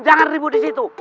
jangan ribu di situ